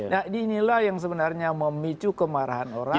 nah inilah yang sebenarnya memicu kemarahan orang